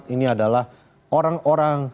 ini adalah orang orang